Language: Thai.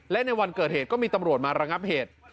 และในวันเกิดเหตุก็มีตำรวจมาระงับเหตุ